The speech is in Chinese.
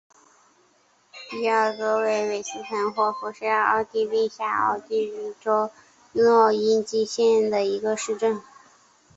比尔格韦斯滕霍夫是奥地利下奥地利州诺因基兴县的一个市镇。